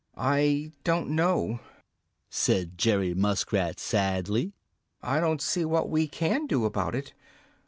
"I don't know," said Jerry Muskrat sadly. "I don't see what we can do about it.